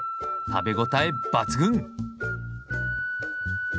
食べ応え抜群！